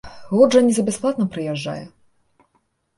Гурт жа не за бясплатна прыязджае!